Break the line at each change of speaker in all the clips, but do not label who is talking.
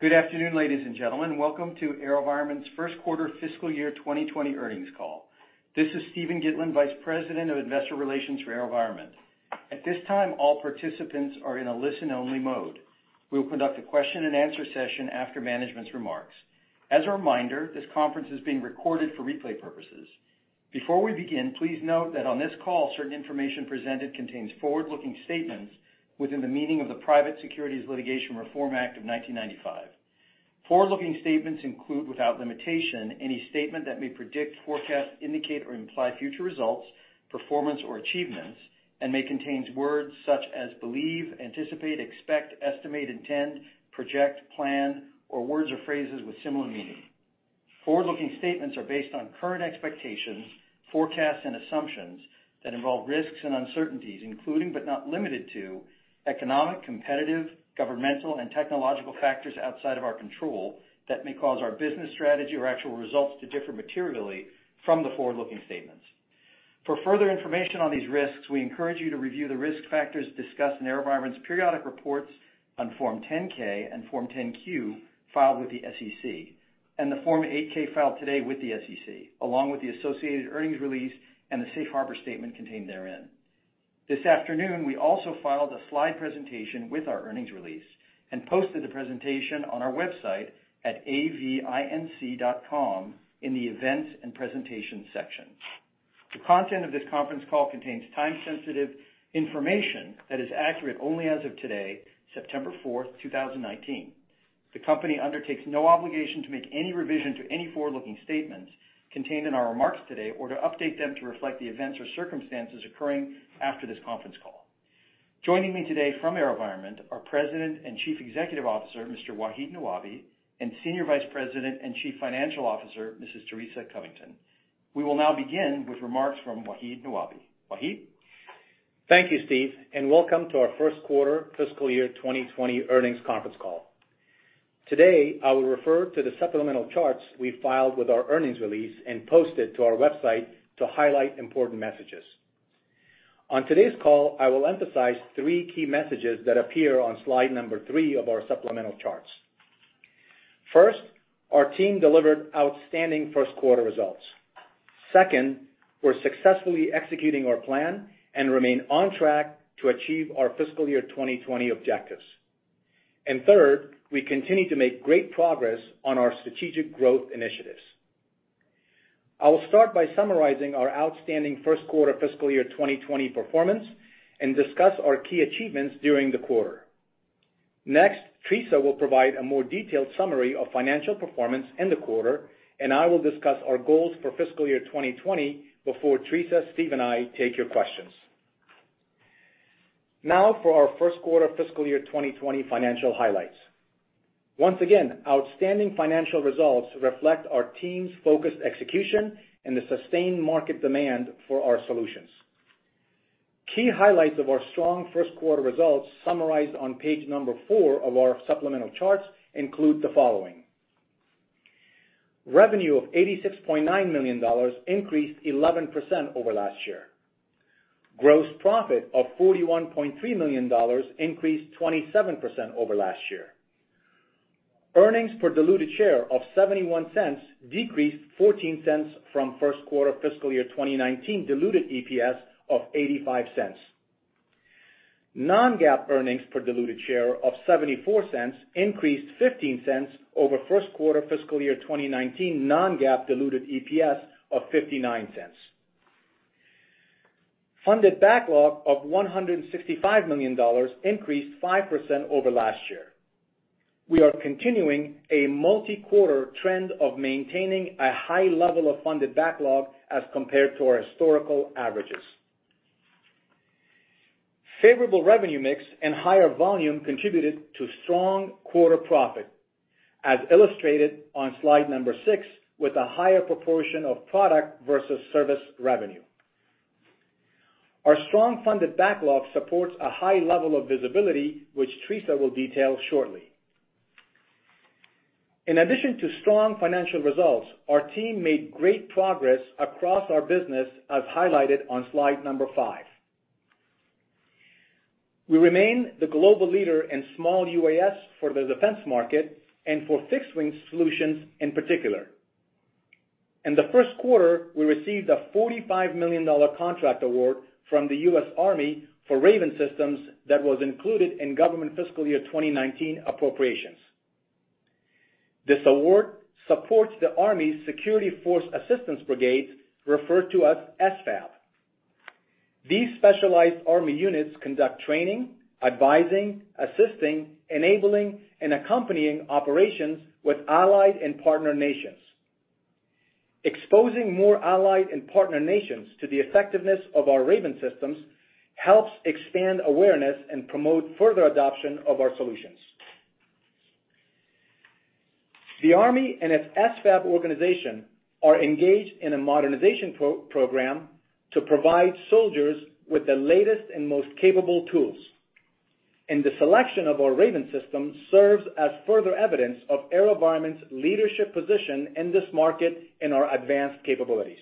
Good afternoon, ladies and gentlemen. Welcome to AeroVironment's first quarter fiscal year 2020 earnings call. This is Steven Gitlin, vice president of investor relations for AeroVironment. At this time, all participants are in a listen-only mode. We will conduct a question and answer session after management's remarks. As a reminder, this conference is being recorded for replay purposes. Before we begin, please note that on this call, certain information presented contains forward-looking statements within the meaning of the Private Securities Litigation Reform Act of 1995. Forward-looking statements include, without limitation, any statement that may predict, forecast, indicate, or imply future results, performance, or achievements and may contain words such as believe, anticipate, expect, estimate, intend, project, plan, or words or phrases with similar meaning. Forward-looking statements are based on current expectations, forecasts, and assumptions that involve risks and uncertainties, including but not limited to economic, competitive, governmental, and technological factors outside of our control that may cause our business strategy or actual results to differ materially from the forward-looking statements. For further information on these risks, we encourage you to review the risk factors discussed in AeroVironment's periodic reports on Form 10-K and Form 10-Q filed with the SEC, and the Form 8-K filed today with the SEC, along with the associated earnings release and the safe harbor statement contained therein. This afternoon, we also filed a slide presentation with our earnings release and posted the presentation on our website at avinc.com in the Events and Presentation section. The content of this conference call contains time-sensitive information that is accurate only as of today, September 4th, 2019. The company undertakes no obligation to make any revision to any forward-looking statements contained in our remarks today or to update them to reflect the events or circumstances occurring after this conference call. Joining me today from AeroVironment are President and Chief Executive Officer, Mr. Wahid Nawabi, and Senior Vice President and Chief Financial Officer, Mrs. Teresa Covington. We will now begin with remarks from Wahid Nawabi. Wahid?
Thank you, Steve, and welcome to our first quarter fiscal year 2020 earnings conference call. Today, I will refer to the supplemental charts we filed with our earnings release and posted to our website to highlight important messages. On today's call, I will emphasize three key messages that appear on slide number three of our supplemental charts. First, our team delivered outstanding first-quarter results. Second, we're successfully executing our plan and remain on track to achieve our fiscal year 2020 objectives. Third, we continue to make great progress on our strategic growth initiatives. I will start by summarizing our outstanding first-quarter fiscal year 2020 performance and discuss our key achievements during the quarter. Next, Teresa will provide a more detailed summary of financial performance in the quarter, and I will discuss our goals for fiscal year 2020 before Teresa, Steve, and I take your questions. For our first-quarter fiscal year 2020 financial highlights. Once again, outstanding financial results reflect our team's focused execution and the sustained market demand for our solutions. Key highlights of our strong first-quarter results summarized on page number four of our supplemental charts include the following: Revenue of $86.9 million increased 11% over last year. Gross profit of $41.3 million increased 27% over last year. Earnings per diluted share of $0.71 decreased $0.14 from first-quarter fiscal year 2019 diluted EPS of $0.85. Non-GAAP earnings per diluted share of $0.74 increased $0.15 over first-quarter fiscal year 2019 Non-GAAP diluted EPS of $0.59. Funded backlog of $165 million increased 5% over last year. We are continuing a multi-quarter trend of maintaining a high level of funded backlog as compared to our historical averages. Favorable revenue mix and higher volume contributed to strong quarter profit, as illustrated on slide number six, with a higher proportion of product versus service revenue. Our strong funded backlog supports a high level of visibility, which Teresa will detail shortly. In addition to strong financial results, our team made great progress across our business, as highlighted on slide number five. We remain the global leader in small UAS for the defense market and for fixed-wing solutions in particular. In the first quarter, we received a $45 million contract award from the U.S. Army for Raven systems that was included in government fiscal year 2019 appropriations. This award supports the U.S. Army's Security Force Assistance Brigades, referred to as SFAB. These specialized U.S. Army units conduct training, advising, assisting, enabling, and accompanying operations with allied and partner nations. Exposing more allied and partner nations to the effectiveness of our Raven Systems helps expand awareness and promote further adoption of our solutions. The Army and its SFAB organization are engaged in a modernization program to provide soldiers with the latest and most capable tools, and the selection of our Raven system serves as further evidence of AeroVironment's leadership position in this market and our advanced capabilities.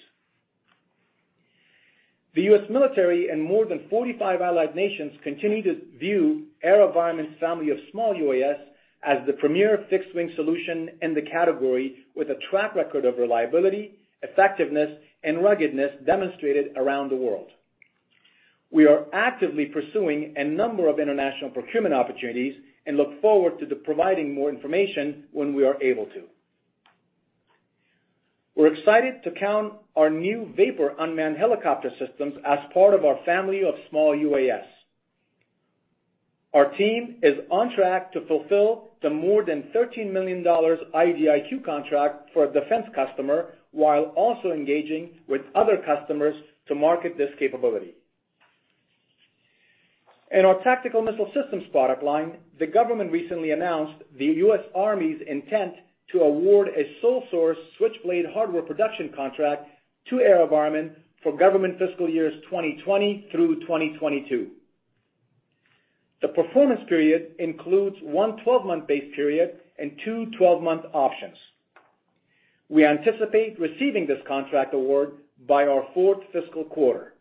The U.S. military and more than 45 allied nations continue to view AeroVironment's family of small UAS as the premier fixed-wing solution in the category, with a track record of reliability, effectiveness, and ruggedness demonstrated around the world. We are actively pursuing a number of international procurement opportunities and look forward to providing more information when we are able to. We're excited to count our new Vapor unmanned helicopter systems as part of our family of small UAS. Our team is on track to fulfill the more than $13 million IDIQ contract for a defense customer while also engaging with other customers to market this capability. In our tactical missile systems product line, the government recently announced the U.S. Army's intent to award a sole source Switchblade hardware production contract to AeroVironment for government fiscal years 2020 through 2022. The performance period includes one 12-month base period and two 12-month options. We anticipate receiving this contract award by our fourth fiscal quarter.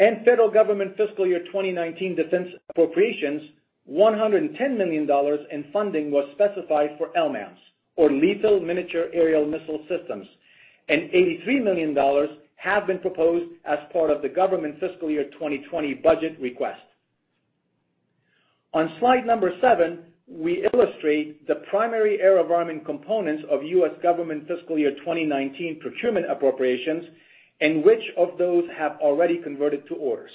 In federal government fiscal year 2019 defense appropriations, $110 million in funding was specified for LMAMS, or lethal miniature aerial missile systems, and $83 million have been proposed as part of the government fiscal year 2020 budget request. On slide seven, we illustrate the primary AeroVironment components of U.S. government fiscal year 2019 procurement appropriations and which of those have already converted to orders.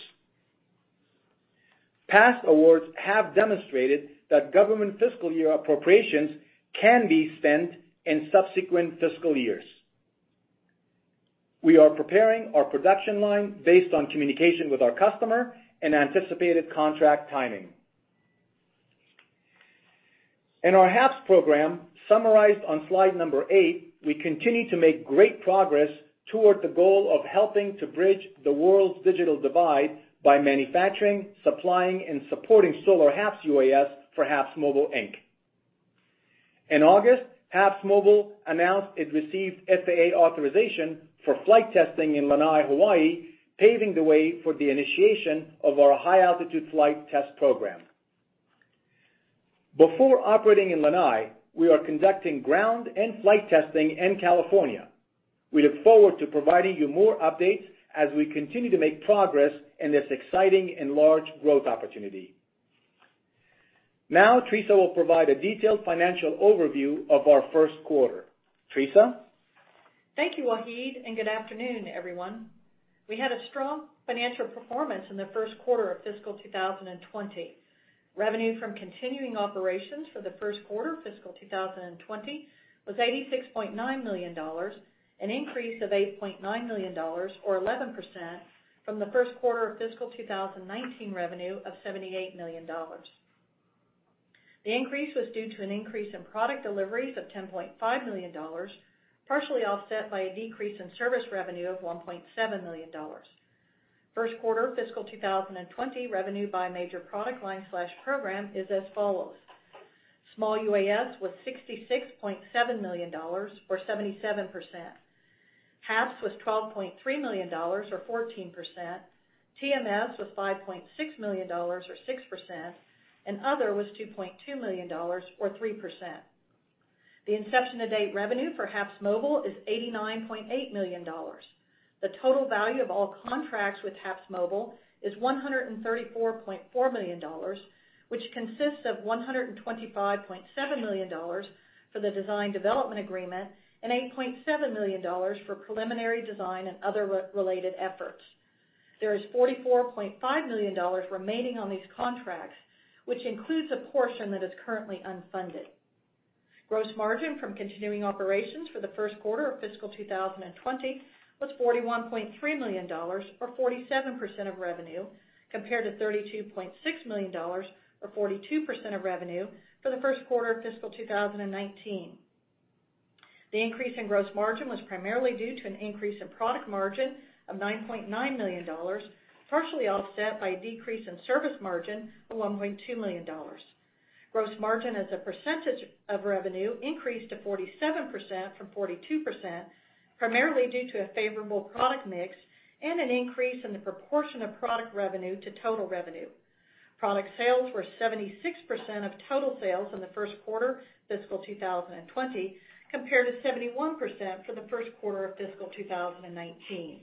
Past awards have demonstrated that government fiscal year appropriations can be spent in subsequent fiscal years. We are preparing our production line based on communication with our customer and anticipated contract timing. In our HAPS program, summarized on slide number eight, we continue to make great progress toward the goal of helping to bridge the world's digital divide by manufacturing, supplying, and supporting solar HAPS UAS for HAPSMobile Inc. In August, HAPSMobile announced it received FAA authorization for flight testing in Lanai, Hawaii, paving the way for the initiation of our high-altitude flight test program. Before operating in Lanai, we are conducting ground and flight testing in California. We look forward to providing you more updates as we continue to make progress in this exciting and large growth opportunity. Now, Teresa will provide a detailed financial overview of our first quarter. Teresa?
Thank you, Wahid. Good afternoon, everyone. We had a strong financial performance in the first quarter of fiscal 2020. Revenue from continuing operations for the first quarter of fiscal 2020 was $86.9 million, an increase of $8.9 million, or 11%, from the first quarter of fiscal 2019 revenue of $78 million. The increase was due to an increase in product deliveries of $10.5 million, partially offset by a decrease in service revenue of $1.7 million. First quarter fiscal 2020 revenue by major product line/program is as follows. Small UAS was $66.7 million, or 77%. HAPS was $12.3 million, or 14%. TMS was $5.6 million, or 6%, and other was $2.2 million, or 3%. The inception to date revenue for HAPSMobile is $89.8 million. The total value of all contracts with HAPSMobile is $134.4 million, which consists of $125.7 million for the design development agreement and $8.7 million for preliminary design and other related efforts. There is $44.5 million remaining on these contracts, which includes a portion that is currently unfunded. Gross margin from continuing operations for the first quarter of fiscal 2020 was $41.3 million, or 47% of revenue, compared to $32.6 million or 42% of revenue for the first quarter of fiscal 2019. The increase in gross margin was primarily due to an increase in product margin of $9.9 million, partially offset by a decrease in service margin of $1.2 million. Gross margin as a percentage of revenue increased to 47% from 42%, primarily due to a favorable product mix and an increase in the proportion of product revenue to total revenue. Product sales were 76% of total sales in the first quarter of fiscal 2020, compared to 71% for the first quarter of fiscal 2019.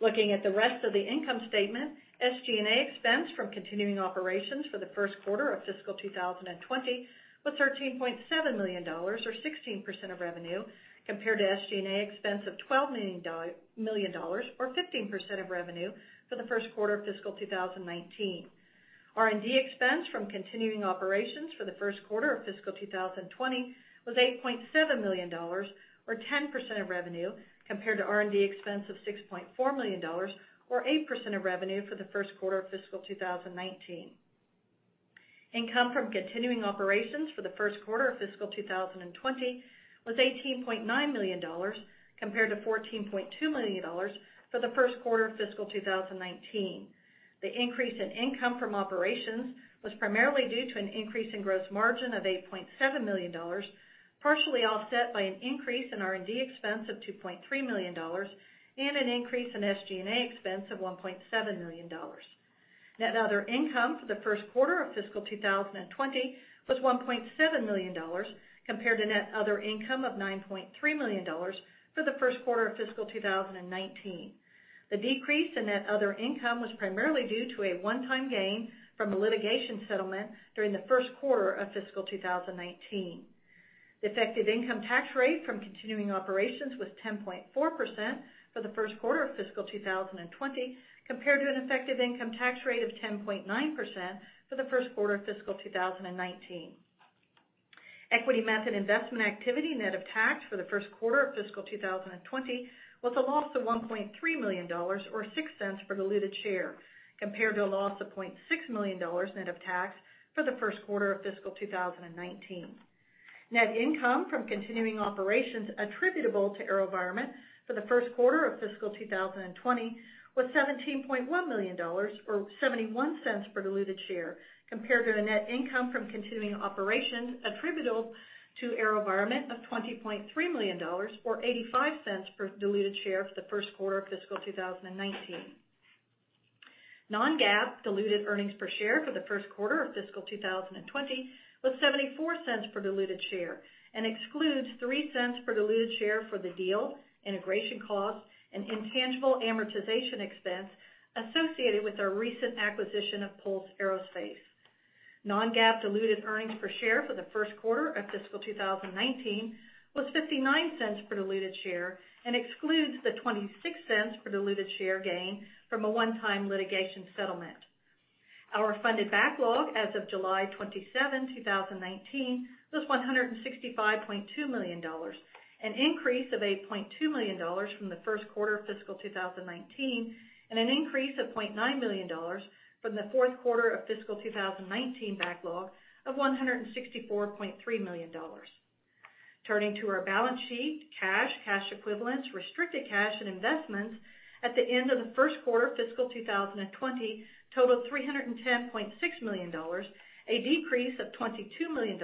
Looking at the rest of the income statement, SG&A expense from continuing operations for the first quarter of fiscal 2020 was $13.7 million, or 16% of revenue, compared to SG&A expense of $12 million, or 15% of revenue for the first quarter of fiscal 2019. R&D expense from continuing operations for the first quarter of fiscal 2020 was $8.7 million, or 10% of revenue, compared to R&D expense of $6.4 million, or 8% of revenue for the first quarter of fiscal 2019. Income from continuing operations for the first quarter of fiscal 2020 was $18.9 million, compared to $14.2 million for the first quarter of fiscal 2019. The increase in income from operations was primarily due to an increase in gross margin of $8.7 million, partially offset by an increase in R&D expense of $2.3 million and an increase in SG&A expense of $1.7 million. Net other income for the first quarter of fiscal 2020 was $1.7 million, compared to net other income of $9.3 million for the first quarter of fiscal 2019. The decrease in net other income was primarily due to a one-time gain from a litigation settlement during the first quarter of fiscal 2019. The effective income tax rate from continuing operations was 10.4% for the first quarter of fiscal 2020, compared to an effective income tax rate of 10.9% for the first quarter of fiscal 2019. Equity method investment activity net of tax for the first quarter of fiscal 2020 was a loss of $1.3 million, or $0.06 per diluted share, compared to a loss of $0.6 million net of tax for the first quarter of fiscal 2019. Net income from continuing operations attributable to AeroVironment for the first quarter of fiscal 2020 was $17.1 million, or $0.71 per diluted share, compared to the net income from continuing operations attributable to AeroVironment of $20.3 million, or $0.85 per diluted share for the first quarter of fiscal 2019. Non-GAAP diluted earnings per share for the first quarter of fiscal 2020 was $0.74 per diluted share, and excludes $0.03 per diluted share for the deal, integration costs, and intangible amortization expense associated with our recent acquisition of Pulse Aerospace. Non-GAAP diluted earnings per share for the first quarter of fiscal 2019 was $0.59 per diluted share, and excludes the $0.26 per diluted share gain from a one-time litigation settlement. Our funded backlog as of July 27, 2019, was $165.2 million, an increase of $8.2 million from the first quarter of fiscal 2019, and an increase of $0.9 million from the fourth quarter of fiscal 2019 backlog of $164.3 million. Turning to our balance sheet, cash equivalents, restricted cash, and investments at the end of the first quarter of fiscal 2020 totaled $310.6 million, a decrease of $22 million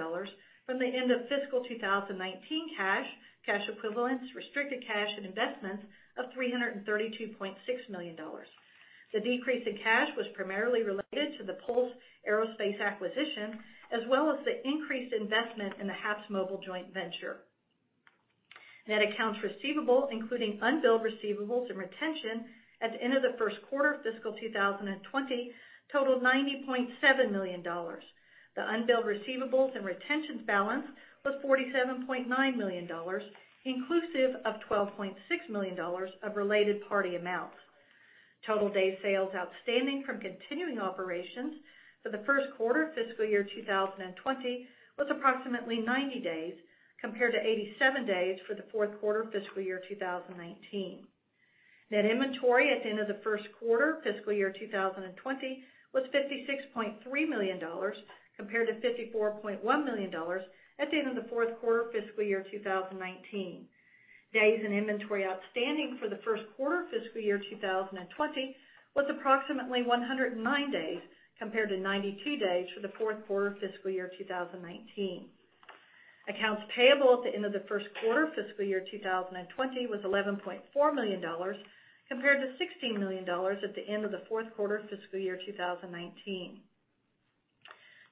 from the end of fiscal 2019 cash equivalents, restricted cash, and investments of $332.6 million. The decrease in cash was primarily related to the Pulse Aerospace acquisition, as well as the increased investment in the HAPSMobile joint venture. Net accounts receivable, including unbilled receivables and retention at the end of the first quarter of fiscal 2020 totaled $90.7 million. The unbilled receivables and retentions balance was $47.9 million, inclusive of $12.6 million of related party amounts. Total days sales outstanding from continuing operations for the first quarter of fiscal year 2020 was approximately 90 days, compared to 87 days for the fourth quarter of fiscal year 2019. Net inventory at the end of the first quarter fiscal year 2020 was $56.3 million, compared to $54.1 million at the end of the fourth quarter fiscal year 2019. Days in inventory outstanding for the first quarter fiscal year 2020 was approximately 109 days, compared to 92 days for the fourth quarter fiscal year 2019. Accounts payable at the end of the first quarter fiscal year 2020 was $11.4 million, compared to $16 million at the end of the fourth quarter fiscal year 2019.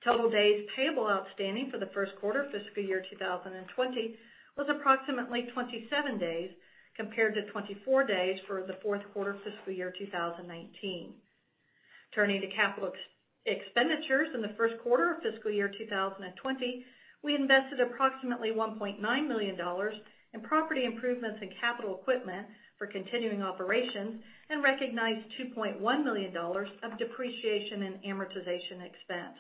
Total days payable outstanding for the first quarter fiscal year 2020 was approximately 27 days, compared to 24 days for the fourth quarter fiscal year 2019. Turning to capital expenditures in the first quarter of fiscal year 2020, we invested approximately $1.9 million in property improvements and capital equipment for continuing operations and recognized $2.1 million of depreciation and amortization expense.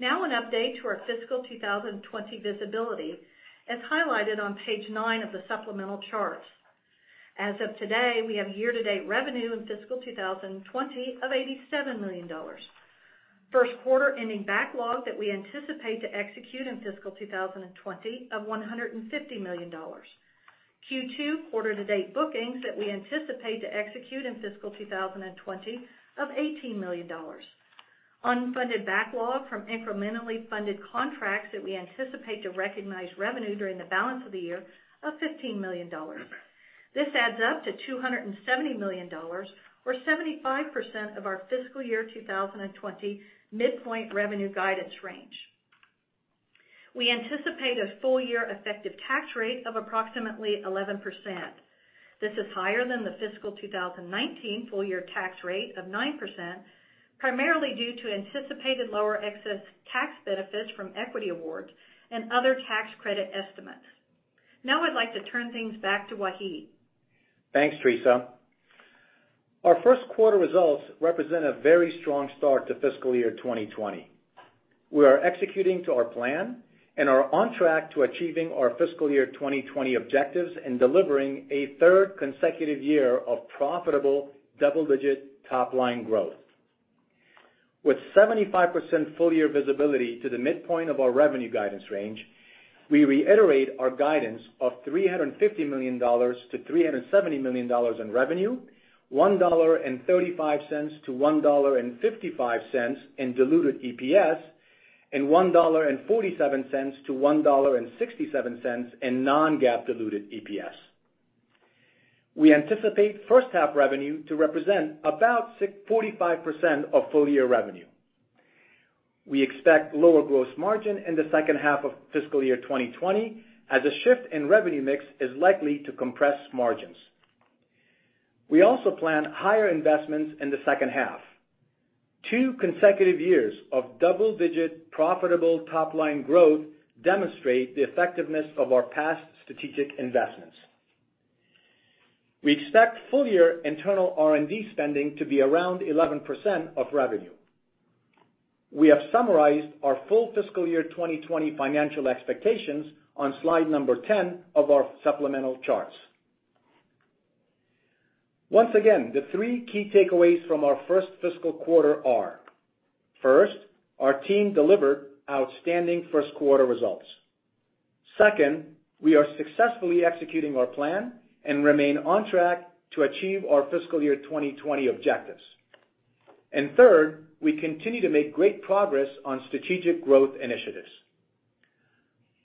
Now an update to our fiscal 2020 visibility, as highlighted on page nine of the supplemental charts. As of today, we have year-to-date revenue in fiscal 2020 of $87 million. First quarter ending backlog that we anticipate to execute in fiscal 2020 of $150 million. Q2 quarter-to-date bookings that we anticipate to execute in fiscal 2020 of $18 million. Unfunded backlog from incrementally funded contracts that we anticipate to recognize revenue during the balance of the year of $15 million. This adds up to $270 million, or 75% of our fiscal year 2020 midpoint revenue guidance range. We anticipate a full year effective tax rate of approximately 11%. This is higher than the fiscal 2019 full year tax rate of 9%, primarily due to anticipated lower excess tax benefits from equity awards and other tax credit estimates. Now I'd like to turn things back to Wahid.
Thanks, Teresa. Our first quarter results represent a very strong start to fiscal year 2020. We are executing to our plan and are on track to achieving our fiscal year 2020 objectives and delivering a third consecutive year of profitable double-digit top-line growth. With 75% full-year visibility to the midpoint of our revenue guidance range, we reiterate our guidance of $350 million-$370 million in revenue, $1.35-$1.55 in diluted EPS, and $1.47-$1.67 in non-GAAP diluted EPS. We anticipate first-half revenue to represent about 45% of full-year revenue. We expect lower gross margin in the second half of fiscal year 2020, as a shift in revenue mix is likely to compress margins. We also plan higher investments in the second half. Two consecutive years of double-digit profitable top-line growth demonstrate the effectiveness of our past strategic investments. We expect full-year internal R&D spending to be around 11% of revenue. We have summarized our full fiscal year 2020 financial expectations on slide number 10 of our supplemental charts. Once again, the three key takeaways from our first fiscal quarter are, first, our team delivered outstanding first-quarter results. Second, we are successfully executing our plan and remain on track to achieve our fiscal year 2020 objectives. Third, we continue to make great progress on strategic growth initiatives.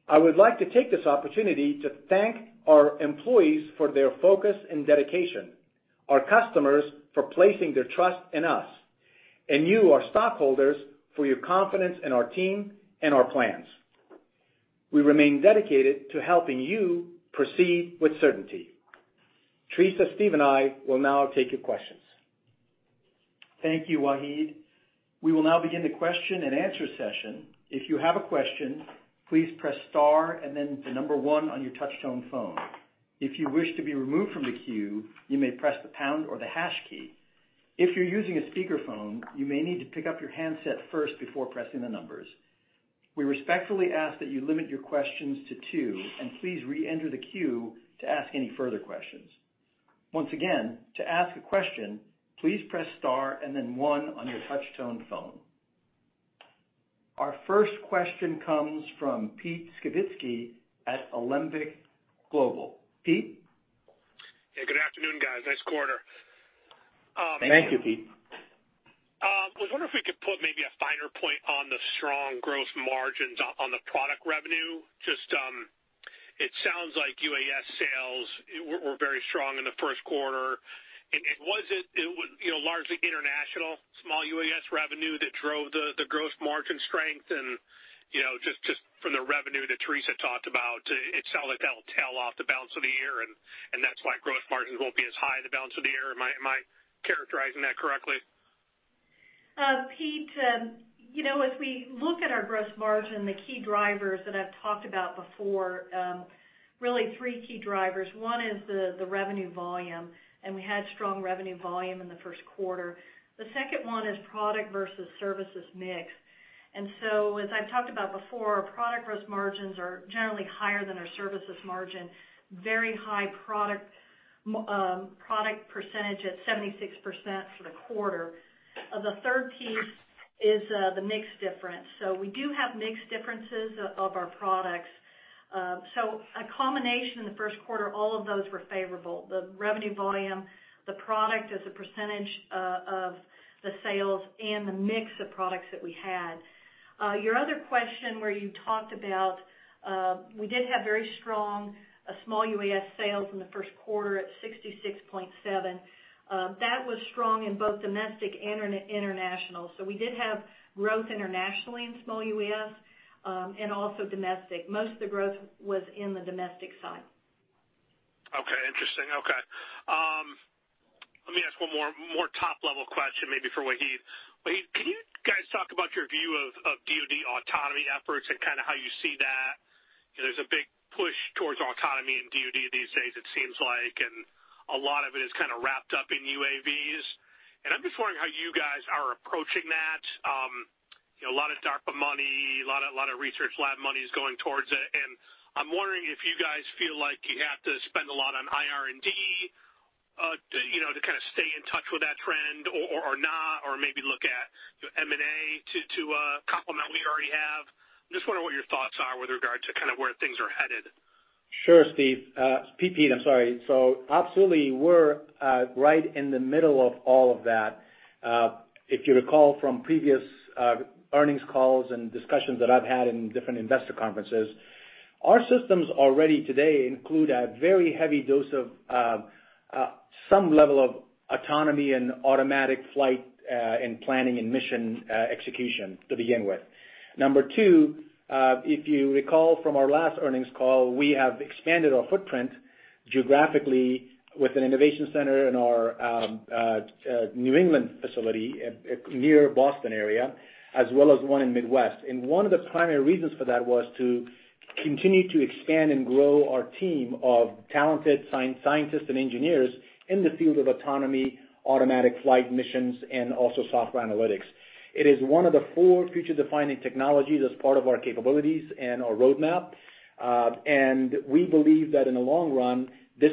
I would like to take this opportunity to thank our employees for their focus and dedication, our customers for placing their trust in us, and you, our stockholders, for your confidence in our team and our plans. We remain dedicated to helping you proceed with certainty. Teresa, Steven, and I will now take your questions.
Thank you, Wahid. We will now begin the question-and-answer session. If you have a question, please press star and then the number one on your touch-tone phone. If you wish to be removed from the queue, you may press the pound or the hash key. If you're using a speakerphone, you may need to pick up your handset first before pressing the numbers. We respectfully ask that you limit your questions to two, and please re-enter the queue to ask any further questions. Once again, to ask a question, please press star and then one on your touch-tone phone. Our first question comes from Pete Skibitski at Alembic Global. Pete?
Yeah, good afternoon, guys. Nice quarter.
Thank you, Pete.
I was wondering if we could put maybe a finer point on the strong gross margins on the product revenue. Just, it sounds like UAS sales were very strong in the first quarter. Was it largely international, small UAS revenue that drove the gross margin strength and just from the revenue that Teresa talked about, it sounds like that'll tail off the balance of the year and that's why gross margins won't be as high the balance of the year? Am I characterizing that correctly?
Pete, as we look at our gross margin, the key drivers that I've talked about before, really three key drivers. One is the revenue volume. We had strong revenue volume in the first quarter. The second one is product versus services mix. As I've talked about before, our product gross margins are generally higher than our services margin. Very high product percentage at 76% for the quarter. The third piece is the mix difference. We do have mix differences of our products. A combination in the first quarter, all of those were favorable. The revenue volume, the product as a percentage of the sales, and the mix of products that we had. Your other question where you talked about, we did have very strong small UAS sales in the first quarter at 66.7. That was strong in both domestic and international. We did have growth internationally in small UAS, and also domestic. Most of the growth was in the domestic side.
Okay, interesting. Okay. Let me ask one more top-level question, maybe for Wahid. Wahid, can you guys talk about your view of DoD autonomy efforts and kind of how you see that? There's a big push towards autonomy in DoD these days it seems like, and a lot of it is kind of wrapped up in UAVs. I'm just wondering how you guys are approaching that. A lot of DARPA money, a lot of research lab money is going towards it, and I'm wondering if you guys feel like you have to spend a lot on IR&D to kind of stay in touch with that trend or not, or maybe look at M&A to complement what you already have. I'm just wondering what your thoughts are with regard to kind of where things are headed.
Sure, Steve. Pete, I'm sorry. Absolutely, we're right in the middle of all of that. If you recall from previous earnings calls and discussions that I've had in different investor conferences, our systems already today include a very heavy dose of some level of autonomy and automatic flight and planning and mission execution to begin with. Number 2, if you recall from our last earnings call, we have expanded our footprint geographically with an innovation center in our New England facility near Boston area, as well as one in Midwest. One of the primary reasons for that was to continue to expand and grow our team of talented scientists and engineers in the field of autonomy, automatic flight missions, and also software analytics. It is one of the four future-defining technologies as part of our capabilities and our roadmap. We believe that in the long run, this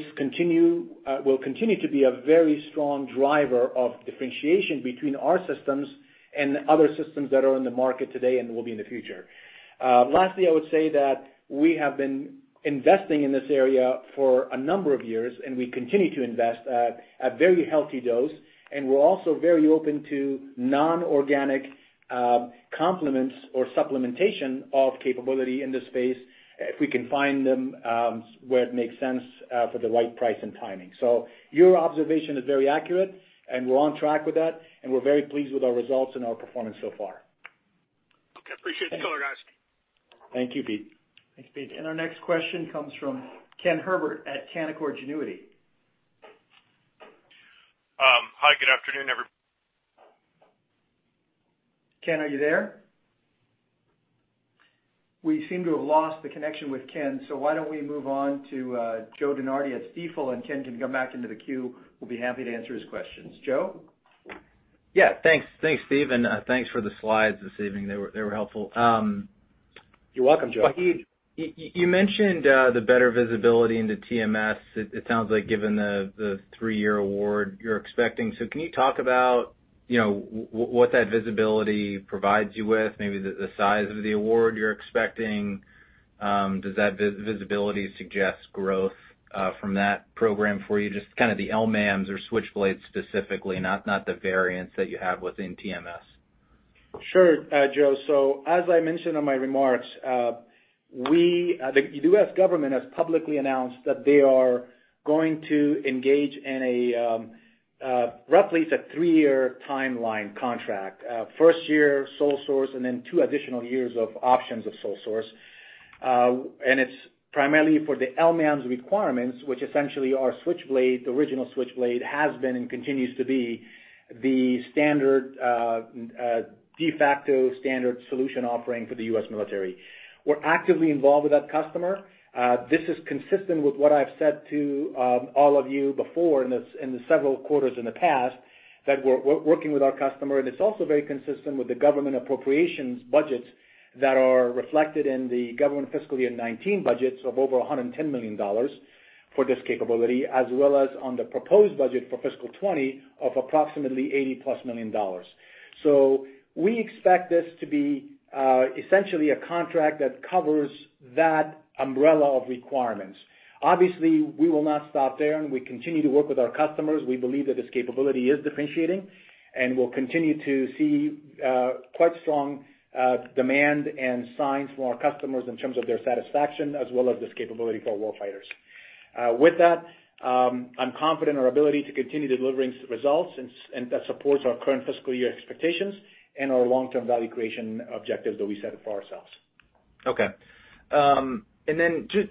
will continue to be a very strong driver of differentiation between our systems and other systems that are in the market today and will be in the future. Lastly, I would say that we have been investing in this area for a number of years. We continue to invest at a very healthy dose. We're also very open to non-organic complements or supplementation of capability in this space if we can find them, where it makes sense for the right price and timing. Your observation is very accurate. We're on track with that. We're very pleased with our results and our performance so far.
Okay, appreciate the color, guys.
Thank you, Pete.
Thanks, Pete. Our next question comes from Ken Herbert at Canaccord Genuity.
Hi, good afternoon, every-
Ken, are you there? We seem to have lost the connection with Ken, so why don't we move on to Joseph DeNardi at Stifel, and Ken can come back into the queue. We'll be happy to answer his questions. Joe?
Yeah. Thanks, Steve, and thanks for the slides this evening. They were helpful.
You're welcome, Joe.
Wahid, you mentioned the better visibility into TMS. It sounds like given the three-year award you're expecting. Can you talk about what that visibility provides you with, maybe the size of the award you're expecting? Does that visibility suggest growth from that program for you, just kind of the LMAMS or Switchblade specifically, not the variants that you have within TMS?
Sure, Joe. As I mentioned in my remarks, the U.S. government has publicly announced that they are going to engage in a roughly it's a 3-year timeline contract. First year sole source, and then 2 additional years of options of sole source. It's primarily for the LMAMS requirements, which essentially are Switchblade, the original Switchblade has been and continues to be the de facto standard solution offering for the U.S. military. We're actively involved with that customer. This is consistent with what I've said to all of you before in the several quarters in the past, that we're working with our customer, and it's also very consistent with the government appropriations budgets that are reflected in the government fiscal year 2019 budgets of over $110 million for this capability, as well as on the proposed budget for fiscal 2020 of approximately $80+ million. We expect this to be essentially a contract that covers that umbrella of requirements. Obviously, we will not stop there, and we continue to work with our customers. We believe that this capability is differentiating, and we'll continue to see quite strong demand and signs from our customers in terms of their satisfaction, as well as this capability for our warfighters. With that, I'm confident in our ability to continue delivering results, and that supports our current fiscal year expectations and our long-term value creation objectives that we set for ourselves.
Okay.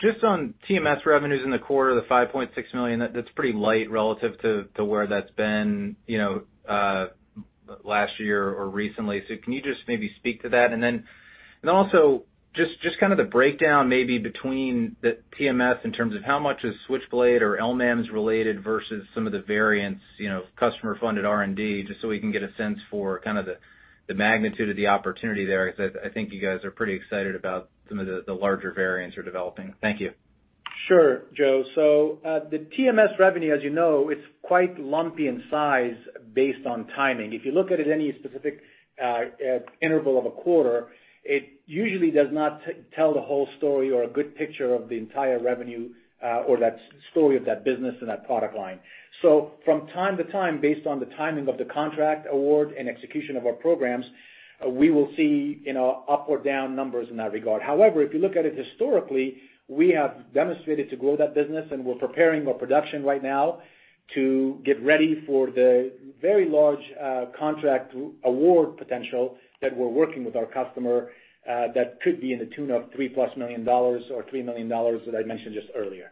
Just on TMS revenues in the quarter, the $5.6 million, that's pretty light relative to where that's been last year or recently. Can you just maybe speak to that? Also just kind of the breakdown maybe between the TMS in terms of how much is Switchblade or LMAMS related versus some of the variants, customer-funded R&D, just so we can get a sense for kind of the magnitude of the opportunity there, because I think you guys are pretty excited about some of the larger variants you're developing. Thank you.
Sure, Joe. The TMS revenue, as you know, it's quite lumpy in size based on timing. If you look at it any specific interval of a quarter, it usually does not tell the whole story or a good picture of the entire revenue or that story of that business and that product line. From time to time, based on the timing of the contract award and execution of our programs, we will see up or down numbers in that regard. However, if you look at it historically, we have demonstrated to grow that business, and we're preparing our production right now to get ready for the very large contract award potential that we're working with our customer that could be in the tune of $3+ million, or $3 million that I mentioned just earlier.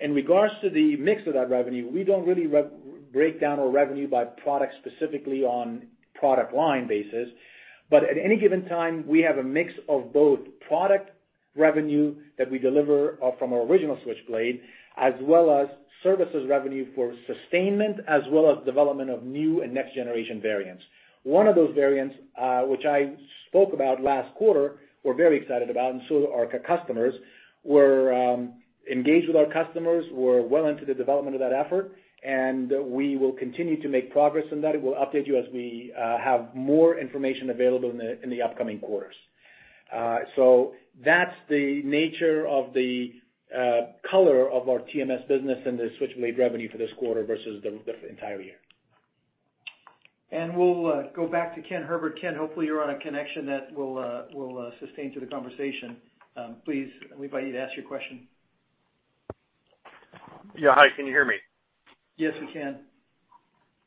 In regards to the mix of that revenue, we don't really break down our revenue by product specifically on product line basis. At any given time, we have a mix of both product revenue that we deliver from our original Switchblade, as well as services revenue for sustainment, as well as development of new and next-generation variants. One of those variants, which I spoke about last quarter, we're very excited about, and so are our customers. We're engaged with our customers. We're well into the development of that effort, and we will continue to make progress on that, and we'll update you as we have more information available in the upcoming quarters. That's the nature of the color of our TMS business and the Switchblade revenue for this quarter versus the entire year.
We'll go back to Ken Herbert. Ken, hopefully, you're on a connection that will sustain through the conversation. Please, we invite you to ask your question.
Yeah. Hi, can you hear me?
Yes, we can.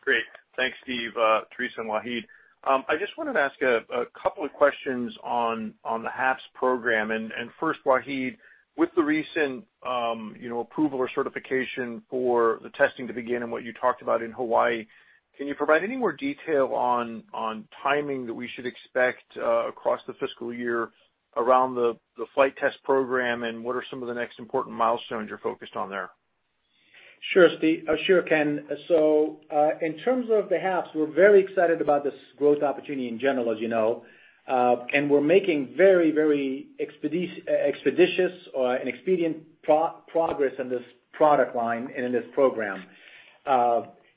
Great. Thanks, Steve, Teresa, and Wahid. I just wanted to ask a couple of questions on the HAPS program. First, Wahid, with the recent approval or certification for the testing to begin and what you talked about in Hawaii, can you provide any more detail on timing that we should expect across the fiscal year around the flight test program, and what are some of the next important milestones you're focused on there?
Sure, Ken. In terms of the HAPS, we're very excited about this growth opportunity in general, as you know. We're making very expeditious or an expedient progress in this product line and in this program.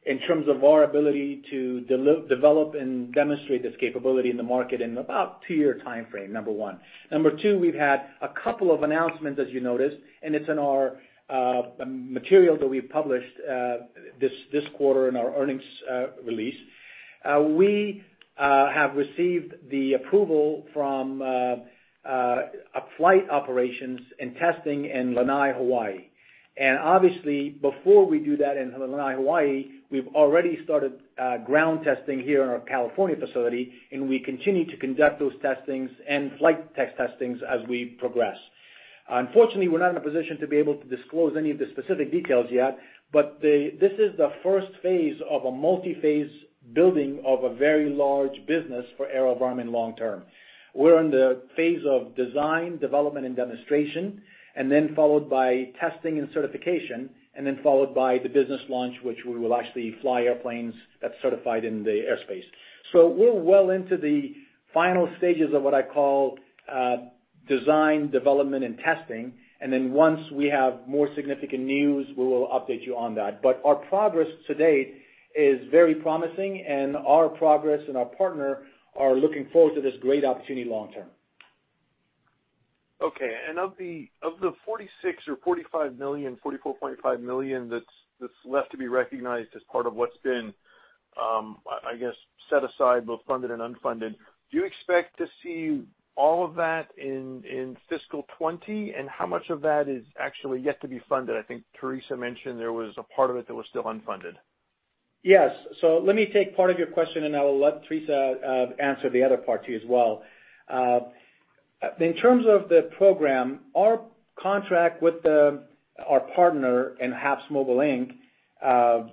In terms of our ability to develop and demonstrate this capability in the market in about a two-year timeframe, number one. Number two, we've had a couple of announcements, as you noticed, and it's in our materials that we've published this quarter in our earnings release. We have received the approval from flight operations and testing in Lanai, Hawaii. Obviously before we do that in Lanai, Hawaii, we've already started ground testing here in our California facility, and we continue to conduct those testings and flight testings as we progress. Unfortunately, we're not in a position to be able to disclose any of the specific details yet, but this is the first phase of a multi-phase building of a very large business for AeroVironment long term. We're in the phase of design, development, and demonstration, and then followed by testing and certification, and then followed by the business launch, which we will actually fly airplanes that's certified in the airspace. We're well into the final stages of what I call design, development, and testing. Once we have more significant news, we will update you on that. Our progress to date is very promising, and our progress and our partner are looking forward to this great opportunity long term.
Okay. Of the $46 million or $45 million, $44.5 million that's left to be recognized as part of what's been, I guess, set aside, both funded and unfunded, do you expect to see all of that in fiscal 2020? How much of that is actually yet to be funded? I think Teresa mentioned there was a part of it that was still unfunded.
Yes. Let me take part of your question, and I will let Teresa answer the other part to you as well. In terms of the program, our contract with our partner in HAPSMobile Inc.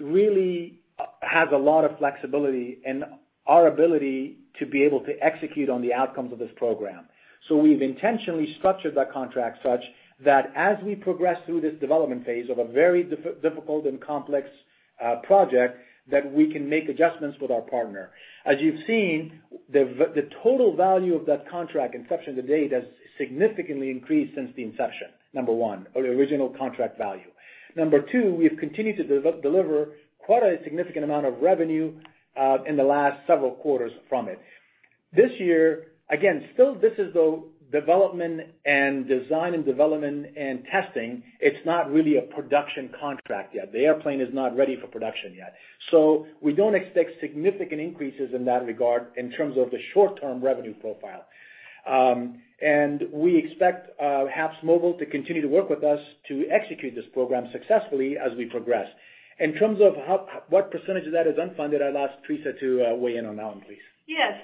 really has a lot of flexibility in our ability to be able to execute on the outcomes of this program. We've intentionally structured that contract such that as we progress through this development phase of a very difficult and complex project, that we can make adjustments with our partner. As you've seen, the total value of that contract inception to date has significantly increased since the inception, number one, or the original contract value. Number two, we've continued to deliver quite a significant amount of revenue in the last several quarters from it. This year, again, still this is the development and design and development and testing. It's not really a production contract yet. The airplane is not ready for production yet. We don't expect significant increases in that regard in terms of the short-term revenue profile. We expect HAPSMobile to continue to work with us to execute this program successfully as we progress. In terms of what % of that is unfunded, I'll ask Teresa to weigh in on that one, please.
Yeah.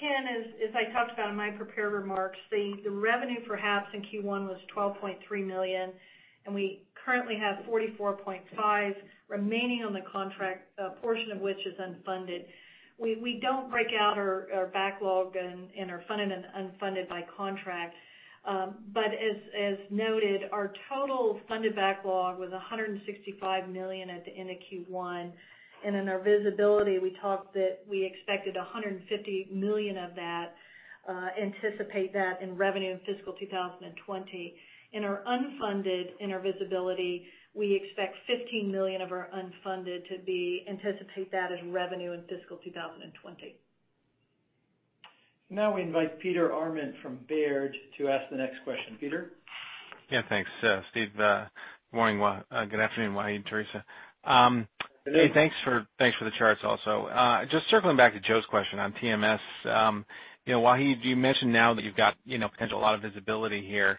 Ken, as I talked about in my prepared remarks, the revenue for HAPS in Q1 was $12.3 million, and we currently have $44.5 remaining on the contract, a portion of which is unfunded. We don't break out our backlog and our funded and unfunded by contract. As noted, our total funded backlog was $165 million at the end of Q1. In our visibility, we talked that we expected $150 million of that, anticipate that in revenue in fiscal 2020. In our unfunded, in our visibility, we expect $15 million of our unfunded to anticipate that in revenue in fiscal 2020.
Now we invite Peter Arment from Baird to ask the next question. Peter?
Yeah, thanks, Steve. Good afternoon, Wahid, Teresa.
Good day.
Hey, thanks for the charts also. Just circling back to Joe's question on TMS. Wahid, you mentioned now that you've got potential a lot of visibility here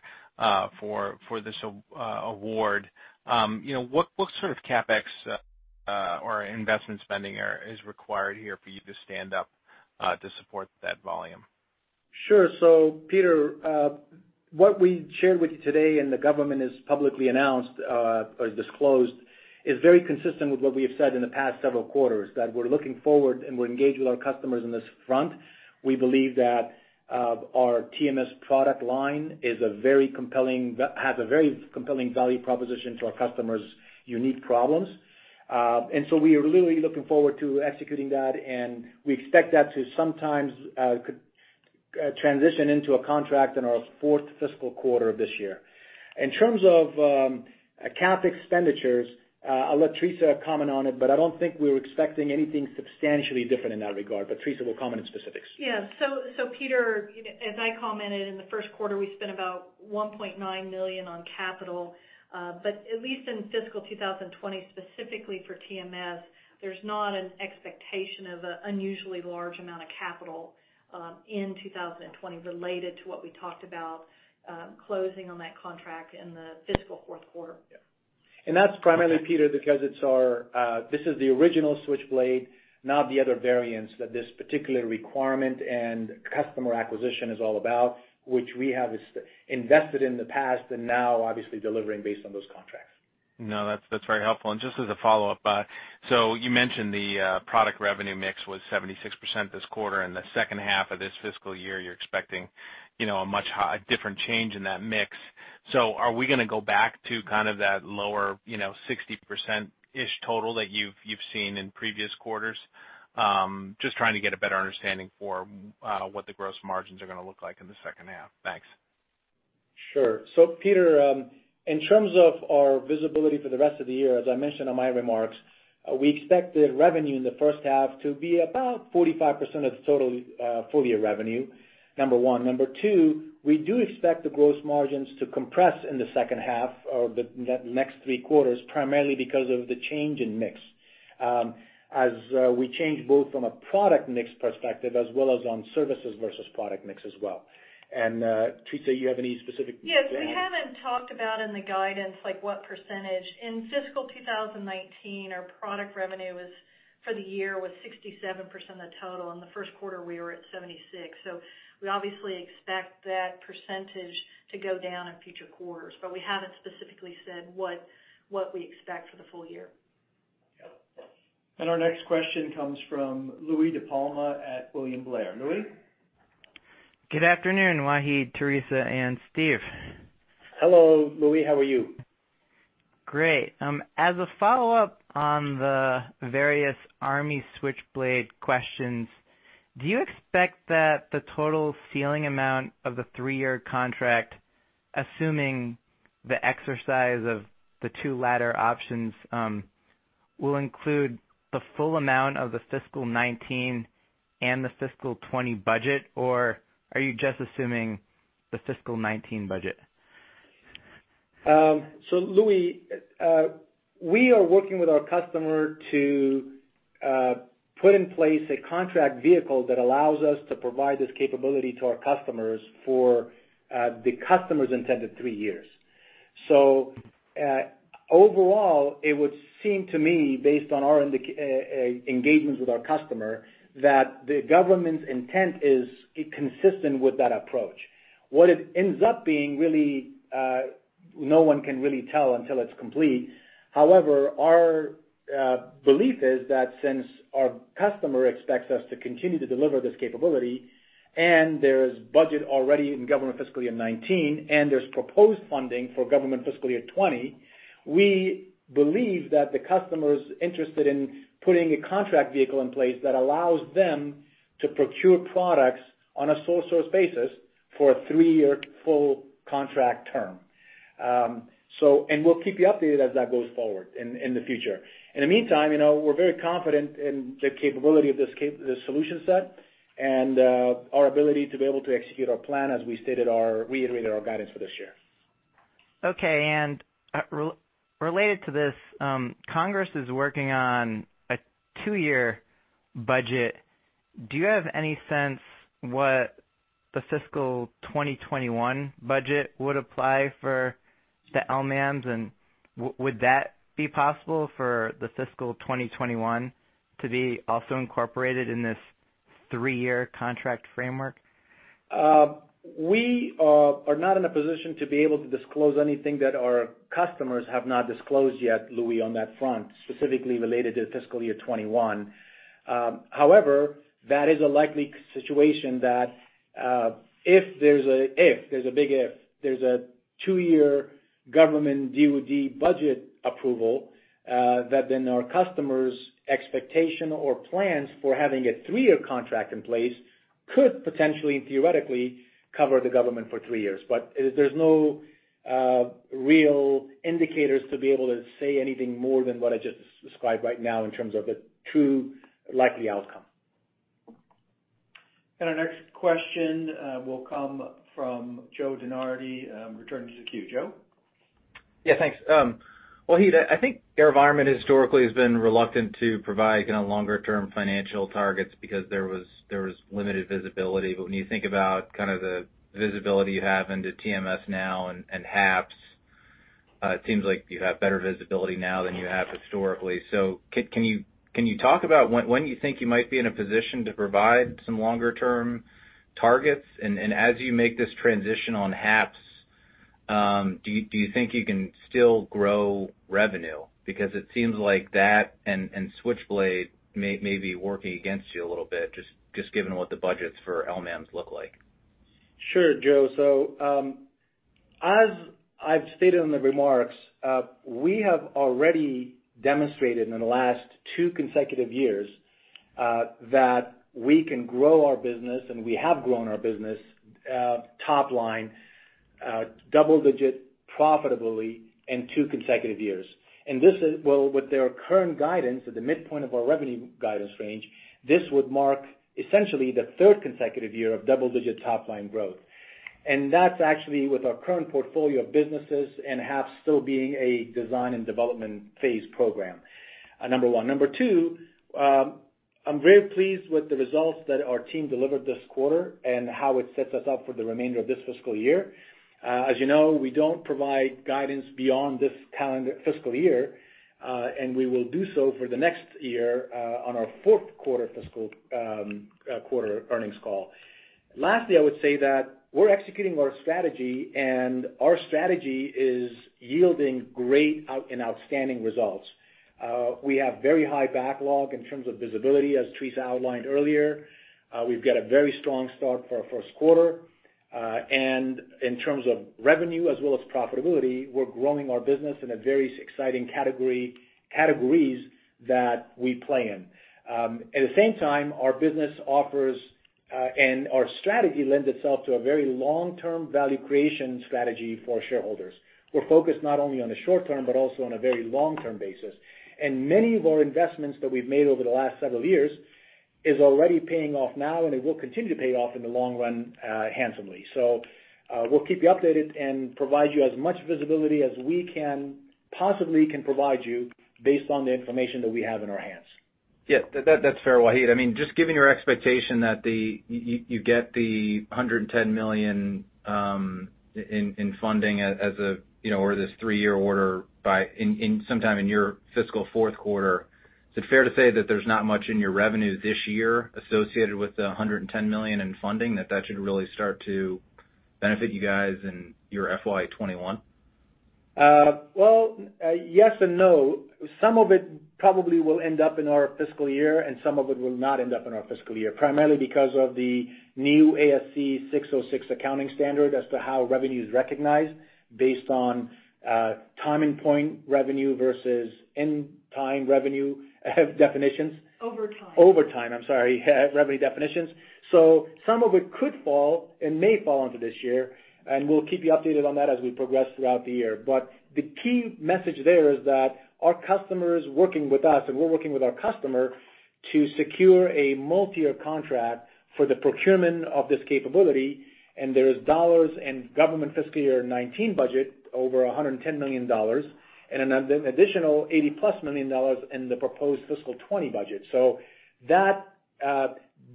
for this award. What sort of CapEx or investment spending is required here for you to stand up to support that volume?
Sure. Peter, what we shared with you today and the government has publicly announced or disclosed is very consistent with what we have said in the past several quarters, that we're looking forward and we're engaged with our customers on this front. We believe that our TMS product line has a very compelling value proposition to our customers' unique problems. We are really looking forward to executing that, and we expect that to sometimes transition into a contract in our fourth fiscal quarter of this year. In terms of CapEx expenditures, I'll let Teresa comment on it, but I don't think we're expecting anything substantially different in that regard. Teresa will comment on specifics.
Yeah. Peter, as I commented in the first quarter, we spent about $1.9 million on capital. At least in fiscal 2020, specifically for TMS, there's not an expectation of an unusually large amount of capital in 2020 related to what we talked about closing on that contract in the fiscal fourth quarter.
Yeah. That's primarily, Peter, because this is the original Switchblade, not the other variants that this particular requirement and customer acquisition is all about, which we have invested in the past and now obviously delivering based on those contracts.
That's very helpful. Just as a follow-up, you mentioned the product revenue mix was 76% this quarter, and the second half of this fiscal year, you're expecting a much different change in that mix. Are we going to go back to kind of that lower 60% total that you've seen in previous quarters? Just trying to get a better understanding for what the gross margins are going to look like in the second half. Thanks.
Sure. Peter, in terms of our visibility for the rest of the year, as I mentioned in my remarks, we expect the revenue in the first half to be about 45% of total full-year revenue, number one. Number two, we do expect the gross margins to compress in the second half of the next three quarters, primarily because of the change in mix. As we change both from a product mix perspective as well as on services versus product mix as well. Teresa, you have any specific?
Yes. We haven't talked about in the guidance like what percentage. In fiscal 2019, our product revenue for the year was 67% of the total. In the first quarter, we were at 76%. We obviously expect that percentage to go down in future quarters, but we haven't specifically said what we expect for the full year.
Yeah.
Our next question comes from Louie DiPalma at William Blair. Louie?
Good afternoon, Wahid, Teresa, and Steve.
Hello, Louie. How are you?
Great. As a follow-up on the various Army Switchblade questions, do you expect that the total ceiling amount of the 3-year contract, assuming the exercise of the two latter options, will include the full amount of the fiscal 2019 and the fiscal 2020 budget, or are you just assuming the fiscal 2019 budget?
Louie, we are working with our customer to put in place a contract vehicle that allows us to provide this capability to our customers for the customer's intended three years. Overall, it would seem to me, based on our engagements with our customer, that the government's intent is consistent with that approach. What it ends up being, really, no one can really tell until it's complete. However, our belief is that since our customer expects us to continue to deliver this capability and there's budget already in government fiscal year 2019, and there's proposed funding for government fiscal year 2020, we believe that the customer's interested in putting a contract vehicle in place that allows them to procure products on a sole source basis for a three-year full contract term. We'll keep you updated as that goes forward in the future. In the meantime, we're very confident in the capability of this solution set and our ability to be able to execute our plan as we reiterated our guidance for this year.
Okay. Related to this, Congress is working on a two-year budget. Do you have any sense what the fiscal 2021 budget would apply for the LMAMS, and would that be possible for the fiscal 2021 to be also incorporated in this three-year contract framework?
We are not in a position to be able to disclose anything that our customers have not disclosed yet, Louie, on that front, specifically related to fiscal year 2021. That is a likely situation that if there's a big if, there's a 2-year government DoD budget approval, that then our customer's expectation or plans for having a 3-year contract in place could potentially, theoretically, cover the government for 3 years. There's no real indicators to be able to say anything more than what I just described right now in terms of a true likely outcome.
Our next question will come from Joe DeNardi, returning to the queue. Joe?
Yeah, thanks. Wahid, I think AeroVironment historically has been reluctant to provide longer-term financial targets because there was limited visibility. When you think about the visibility you have into TMS now and HAPS, it seems like you have better visibility now than you have historically. Can you talk about when you think you might be in a position to provide some longer-term targets? As you make this transition on HAPS, do you think you can still grow revenue? Because it seems like that and Switchblade may be working against you a little bit, just given what the budgets for LMAMS look like.
Sure, Joe. As I've stated in the remarks, we have already demonstrated in the last two consecutive years that we can grow our business, and we have grown our business top-line double-digit profitably in two consecutive years. With our current guidance at the midpoint of our revenue guidance range, this would mark essentially the third consecutive year of double-digit top-line growth. That's actually with our current portfolio of businesses and HAPS still being a design and development phase program, number one. Number two, I'm very pleased with the results that our team delivered this quarter and how it sets us up for the remainder of this fiscal year. As you know, we don't provide guidance beyond this fiscal year, and we will do so for the next year on our fourth quarter earnings call. Lastly, I would say that we're executing our strategy. Our strategy is yielding great and outstanding results. We have very high backlog in terms of visibility, as Teresa outlined earlier. We've got a very strong start for our first quarter. In terms of revenue as well as profitability, we're growing our business in very exciting categories that we play in. At the same time, our strategy lends itself to a very long-term value creation strategy for shareholders. We're focused not only on the short-term, but also on a very long-term basis. Many of our investments that we've made over the last several years is already paying off now, and it will continue to pay off in the long run, handsomely. We'll keep you updated and provide you as much visibility as we can possibly provide you based on the information that we have in our hands.
Yes. That's fair, Wahid. Just given your expectation that you get the $110 million in funding over this three-year order sometime in your fiscal fourth quarter, is it fair to say that there's not much in your revenue this year associated with the $110 million in funding, that should really start to benefit you guys in your FY 2021?
Well, yes and no. Some of it probably will end up in our fiscal year, and some of it will not end up in our fiscal year, primarily because of the new ASC 606 accounting standard as to how revenue is recognized based on time-and-point revenue versus in-time revenue definitions.
Over time.
Over time, I'm sorry, revenue definitions. Some of it could fall and may fall into this year, and we'll keep you updated on that as we progress throughout the year. The key message there is that our customer is working with us, and we're working with our customer to secure a multi-year contract for the procurement of this capability, and there's dollars in government fiscal year 2019 budget, over $110 million, and an additional $80-plus million in the proposed fiscal 2020 budget.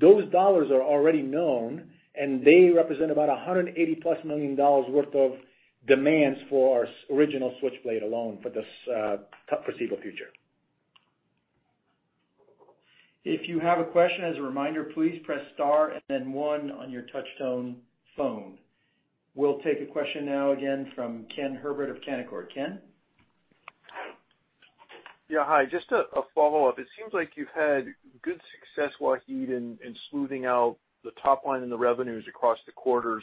Those dollars are already known, and they represent about $180-plus million worth of demands for our original Switchblade alone for this foreseeable future.
If you have a question, as a reminder, please press star and then one on your touch-tone phone. We'll take a question now again from Ken Herbert of Canaccord. Ken?
Yeah, hi. Just a follow-up. It seems like you've had good success, Wahid, in smoothing out the top line and the revenues across the quarters.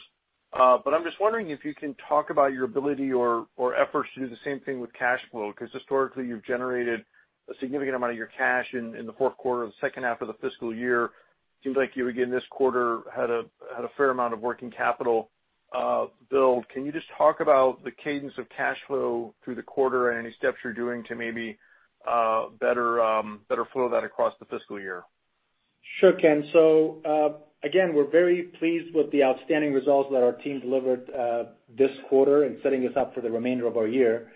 I'm just wondering if you can talk about your ability or efforts to do the same thing with cash flow, because historically, you've generated a significant amount of your cash in the fourth quarter or the second half of the fiscal year. It seems like you, again, this quarter, had a fair amount of working capital build. Can you just talk about the cadence of cash flow through the quarter and any steps you're doing to maybe better flow that across the fiscal year?
Sure, Ken. Again, we're very pleased with the outstanding results that our team delivered this quarter in setting us up for the remainder of our year.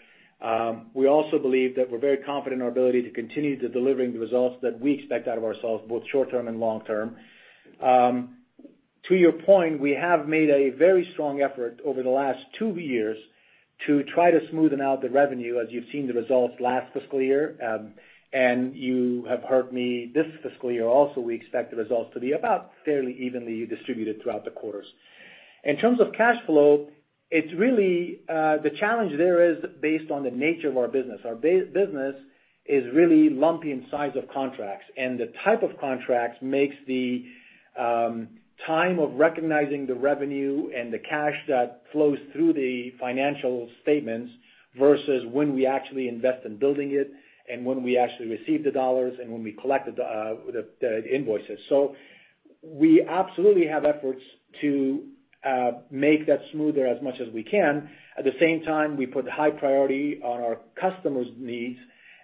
We also believe that we're very confident in our ability to continue to delivering the results that we expect out of ourselves, both short-term and long-term. To your point, we have made a very strong effort over the last two years to try to smoothen out the revenue, as you've seen the results last fiscal year. You have heard me this fiscal year also, we expect the results to be about fairly evenly distributed throughout the quarters. In terms of cash flow, the challenge there is based on the nature of our business. Our business is really lumpy in size of contracts, and the type of contracts makes the time of recognizing the revenue and the cash that flows through the financial statements versus when we actually invest in building it and when we actually receive the dollars and when we collect the invoices. We absolutely have efforts to make that smoother as much as we can. At the same time, we put a high priority on our customers' needs,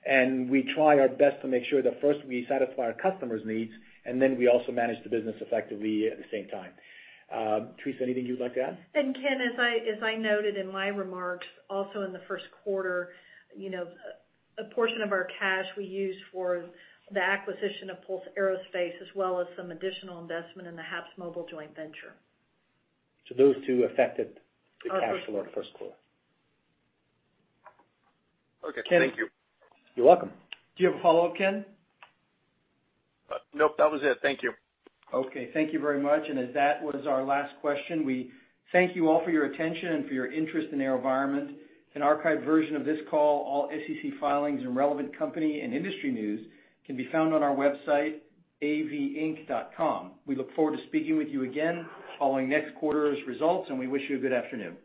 and we try our best to make sure that first we satisfy our customers' needs, and then we also manage the business effectively at the same time. Teresa, anything you'd like to add?
Ken, as I noted in my remarks, also in the first quarter, a portion of our cash we used for the acquisition of Pulse Aerospace, as well as some additional investment in the HAPSMobile joint venture.
Those two affected the cash flow in the first quarter.
Okay. Thank you.
You're welcome.
Do you have a follow-up, Ken?
Nope, that was it. Thank you.
Okay, thank you very much. As that was our last question, we thank you all for your attention and for your interest in AeroVironment. An archived version of this call, all SEC filings, and relevant company and industry news can be found on our website, avinc.com. We look forward to speaking with you again following next quarter's results, and we wish you a good afternoon.